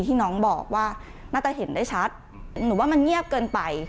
ที่น้องบอกว่าน่าจะเห็นได้ชัดหนูว่ามันเงียบเกินไป